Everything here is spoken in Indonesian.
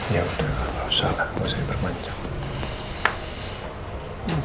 ya udah gak usah lah gak usah dipermanjakan